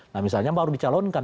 nah misalnya baru dicalon kan